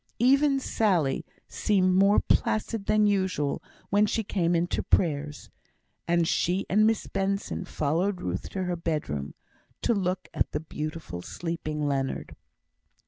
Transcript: Even Sally seemed more placid than usual when she came in to prayers; and she and Miss Benson followed Ruth to her bedroom, to look at the beautiful sleeping Leonard.